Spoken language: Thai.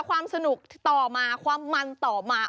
ความสนุกต่อมาความมันต่อมา